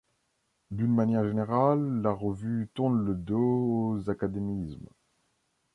D'une manière générale, la revue tourne le dos aux académismes.